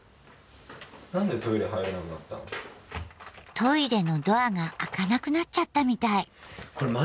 トイレのドアが開かなくなっちゃったみたい。